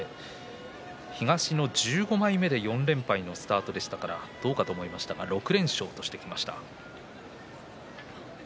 東の１５枚目で４連敗のスタートでしたからどうかと思いましたが６連勝としてきました。